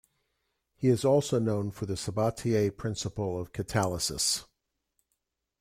He is also known for the Sabatier principle of catalysis.